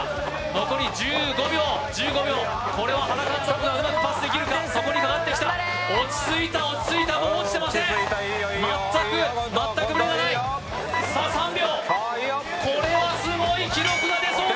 残り１５秒１５秒これを原監督がうまくパスできるか落ち着いた落ち着いたもう落ちてません全く全くブレがないさあ３秒これはすごい記録が出そうだ